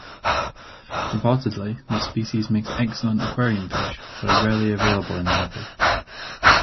Reportedly this species makes excellent aquarium fish but are rarely available in the hobby.